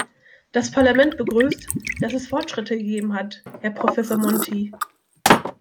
Das Parlament begrüßt, dass es Fortschritte gegeben hat, Herr Professor Monti!